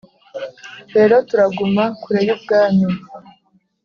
rero turaguma kure yubwami